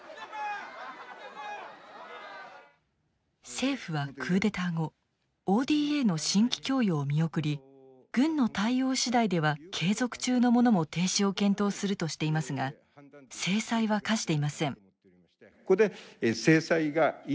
政府はクーデター後ＯＤＡの新規供与を見送り軍の対応次第では継続中のものも停止を検討するとしていますが制裁は科していません。